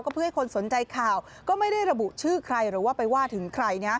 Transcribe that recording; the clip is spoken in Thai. เพื่อให้คนสนใจข่าวก็ไม่ได้ระบุชื่อใครหรือว่าไปว่าถึงใคร